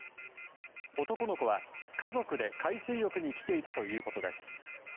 男の子は家族で海水浴に来ていたということです。